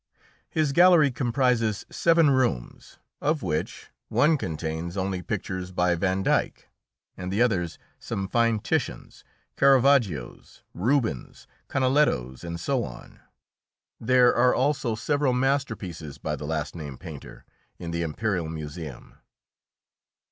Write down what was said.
His gallery comprises seven rooms, of which one contains only pictures by Van Dyck and the others some fine Titians, Caravaggios, Rubens, Canalettos, and so on. There are also several masterpieces by the last named painter in the Imperial Museum.